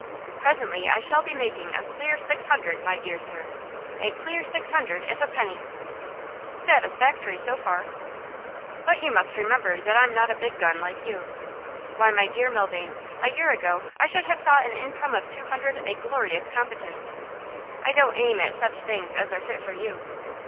Presently I shall be making a clear six hundred, my dear sir! A clear six hundred, if a penny!' 'Satisfactory, so far.' 'But you must remember that I'm not a big gun, like you! Why, my dear Milvain, a year ago I should have thought an income of two hundred a glorious competence. I don't aim at such things as are fit for you.